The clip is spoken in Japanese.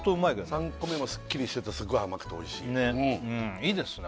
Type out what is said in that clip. ３個目もすっきりしててすごい甘くて美味しいいいですね